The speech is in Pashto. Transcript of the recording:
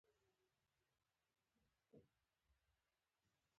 افغانستان د نورستان د ترویج لپاره یو شمیر پروګرامونه لري.